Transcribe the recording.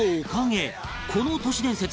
この都市伝説